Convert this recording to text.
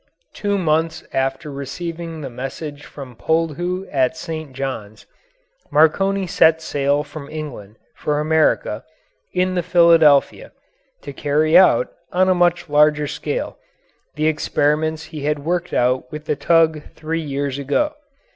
Two months after receiving the message from Poldhu at St. Johns, Marconi set sail from England for America, in the Philadelphia, to carry out, on a much larger scale, the experiments he had worked out with the tug three years ago.